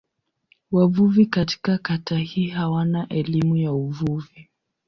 Wavuvi katika kata hii hawana elimu ya uvuvi.